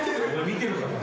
「見てるから」